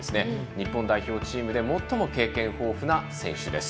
日本代表チームでも最も経験豊富な選手です。